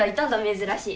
珍しい。